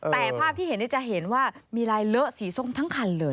แต่ภาพที่เห็นจะเห็นว่ามีลายเลอะสีส้มทั้งคันเลย